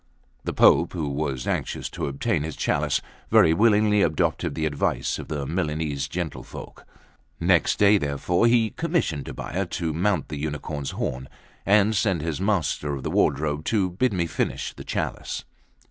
The Pope, who was anxious to obtain his chalice, very willingly adopted the advice of the Milanese gentlefolk. Next day, therefore, he commissioned Tobbia to mount the unicorn's horn, and sent his Master of the Wardrobe to bid me finish the chalice.